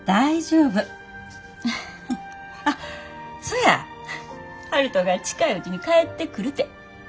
あっそや悠人が近いうちに帰ってくるて。